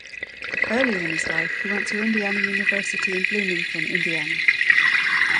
Earlier in his life he went to Indiana University in Bloomington, Indiana.